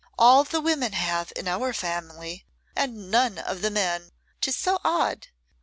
All the women have in our family, and none of the men, 'tis so odd.